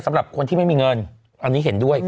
สำหรับคนที่ไม่มีเงินอันนี้เห็นด้วย